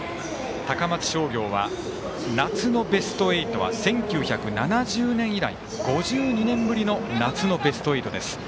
高松商業は夏のベスト８は１９７０年以来５２年ぶりの夏のベスト８です。